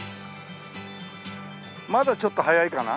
まだちょっと早いかな？